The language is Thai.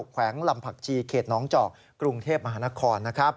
แขวงลำผักชีเขตน้องจอกกรุงเทพมหานคร